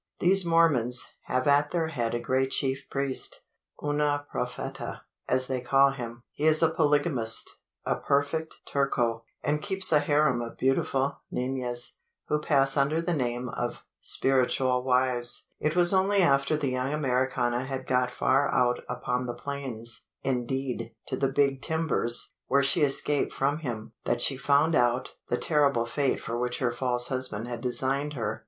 These Mormons have at their head a great chief priest una propheta, as they call him. He is a polygamist a perfect Turco and keeps a harem of beautiful ninas, who pass under the name of `spiritual wives.' It was only after the young Americana had got far out upon the plains indeed, to the Big Timbers, where she escaped from him that she found out the terrible fate for which her false husband had designed her.